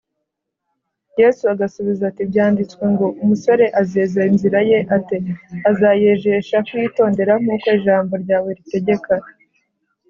Yesu agasubiza ati, Byanditswe ngo, “Umusore azeza inzira ye ate ? Azayejesha kuyitondera nk’uko ijambo ryawe ritegeka.